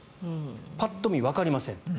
パッと見、わかりません。